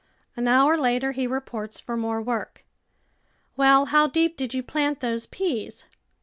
An hour later he reports for more work. " Well, how deep did you plant those peas?